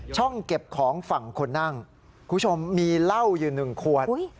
ช่องเก็บของฝั่งคนนั่งคุณผู้ชมมีเหล้าอยู่หนึ่งขวด